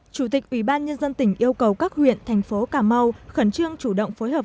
chủ tịch ubnd tỉnh yêu cầu các huyện thành phố cà mau khẩn trương chủ động phối hợp